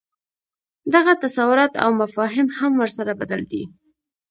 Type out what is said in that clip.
دغه تصورات او مفاهیم هم ورسره بدل دي.